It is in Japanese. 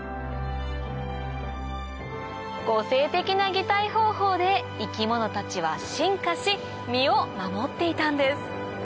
個性的な擬態方法で生き物たちは進化し身を守っていたんです